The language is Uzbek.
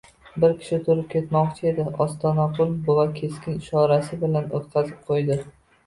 Bir kishi turib ketmoqchi edi, Ostonaqul buva keskin ishorasi bilan o`tqazib qo`ydi